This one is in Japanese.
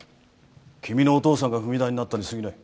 君のお父さんが踏み台になったにすぎない。